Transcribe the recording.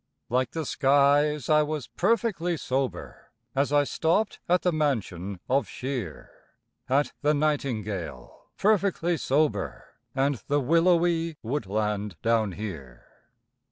Like the skies, I was perfectly sober, As I stopped at the mansion of Shear, At the Nightingale, perfectly sober, And the willowy woodland down here.